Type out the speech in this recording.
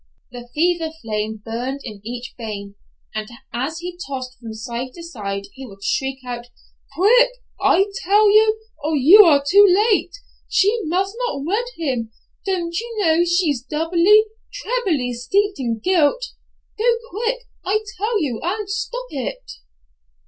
The fever flame burned in each vein, and as he tossed from side to side he would shriek out, "Quick, I tell you or you are too late. She must not wed him. Don't you know she's doubly, trebly steeped in guilt? Go quick, I tell you, and stop it."